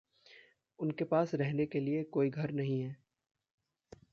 उनके पास रहने के लिए कोई घर नहीं है।